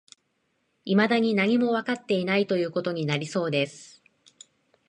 未だに何もわかっていない、という事になりそうです